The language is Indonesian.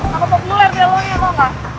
kalo ngepluk luar belonya lo gak